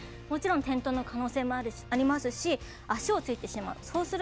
もちろん転倒の可能性もありますし足をついてしまう。